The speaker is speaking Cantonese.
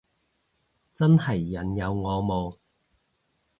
真係人有我冇